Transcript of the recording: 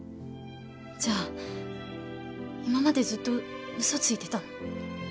じゃあ今までずっと嘘ついてたの？